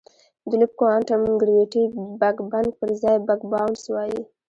د لوپ کوانټم ګرویټي بګ بنګ پر ځای بګ باؤنس وایي.